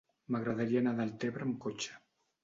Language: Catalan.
M'agradaria anar a Deltebre amb cotxe.